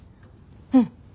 うん。